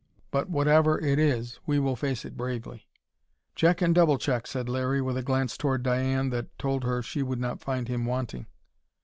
But whatever it is, we will face it bravely." "Check and double check!" said Larry, with a glance toward Diane that told her she would not find him wanting.